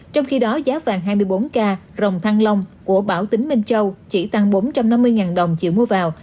trong khi đó giá vàng hai mươi bốn k rồng thăng long của bảo tính minh châu chỉ tăng bốn trăm năm mươi đồng triệu mua vào